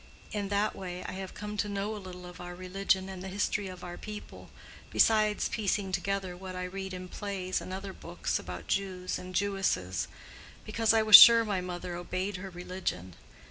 In that way I have come to know a little of our religion, and the history of our people, besides piecing together what I read in plays and other books about Jews and Jewesses; because I was sure my mother obeyed her religion.